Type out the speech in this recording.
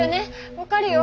分かるよ。